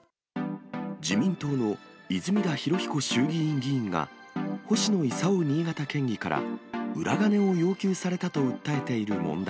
自民党の泉田裕彦衆議院議員が、星野伊左夫新潟県議から裏金を要求されたと訴えている問題。